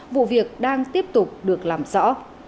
vụ việc đang tiếp tục được làm rõ